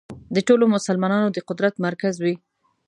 د ټولو مسلمانانو د قدرت مرکز وي.